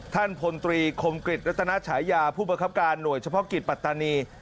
ท่านผลตรีคมกฤษและธนาชายาผู้บังคับการหน่วยเฉพาะกิจปัตตานี